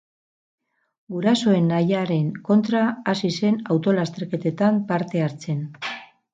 Gurasoen nahiaren kontra hasi zen auto lasterketetan parte hartzen.